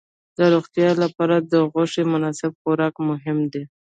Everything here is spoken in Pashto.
د روغتیا لپاره د غوښې مناسب خوراک مهم دی.